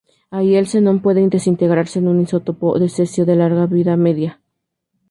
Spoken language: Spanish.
Ahí el xenón puede desintegrarse en un isótopo de cesio de larga vida media.